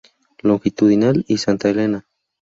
Longitudinal y Santa Elena.